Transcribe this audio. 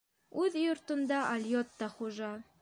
Үҙ йортонда алйот та хужа.